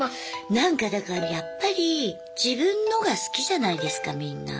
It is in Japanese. なんかだからやっぱり自分のが好きじゃないですかみんな。